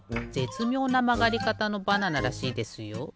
つみょうなまがりかたのバナナらしいですよ。